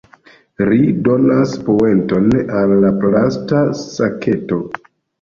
Ri donas poenton al la plasta saketo.